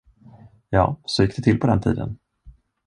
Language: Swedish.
Ja, så gick det till på den tiden!